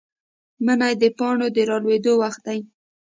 منی د پاڼو د رالوېدو وخت دی.